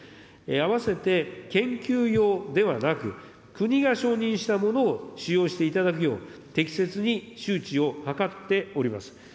あわせて研究用ではなく、国が承認したものを使用していただくよう、適切に周知を図っております。